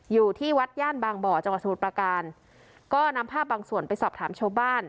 อยู่ที่วัดย่านบางบ่อจังหวัดสมุทรประการก็นำภาพบางส่วนไปสอบถามชาวบ้าน